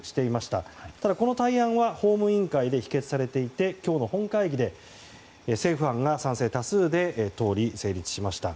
ただ、この対案は法務委員会で否決されていて今日の本会議で政府案が賛成多数で通り、成立しました。